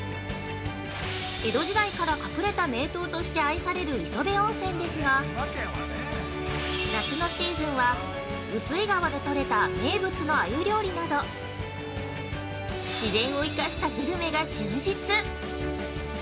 江戸時代から隠れた名湯として愛される磯部温泉ですが、夏のシーズンは碓氷川で取れた名物のアユ料理など、自然を生かしたグルメが充実。